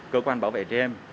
cơ quan bảo vệ trẻ em